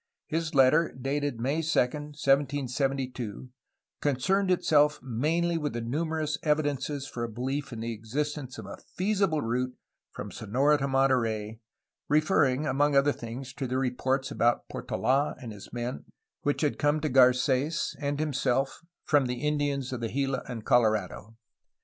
His letter, dated May 2, 1772, concerned itself mainly with the numerous evidences for beUef in the exist ence of a feasible route from Sonora to Monterey, referring among other things to the reports about Portola and his men which had come to Garc^s and himself from the Indians of the Gila and Colorado.